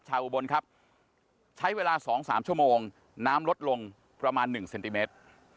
อุบลครับใช้เวลา๒๓ชั่วโมงน้ำลดลงประมาณ๑เซนติเมตร